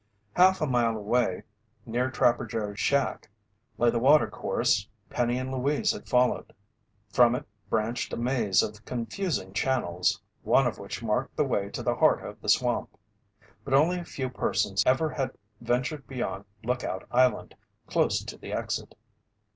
Half a mile away, near Trapper Joe's shack, lay the water course Penny and Louise had followed. From it branched a maze of confusing channels, one of which marked the way to the heart of the swamp. But only a few persons ever had ventured beyond Lookout Island, close to the exit.